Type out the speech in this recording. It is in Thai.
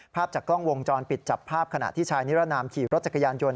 ภาพจากกล้องวงจรปิดจับภาพขณะที่ชายนิรนามขี่รถจักรยานยนต